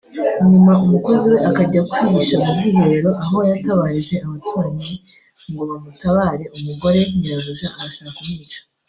hanyuma umukozi we akajya kwihisha mu bwiherero aho yatabarije abaturanyi ngo bamutabare umugore [Nyirabuja] arashaka kumwica